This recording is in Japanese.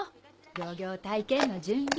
漁業体験の準備。